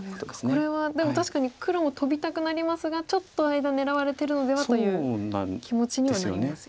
これはでも確かに黒もトビたくなりますが「ちょっと間狙われてるのでは」という気持ちにはなりますよね。